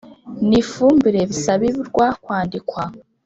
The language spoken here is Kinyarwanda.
N ifumbire bisabirwa kwandikwa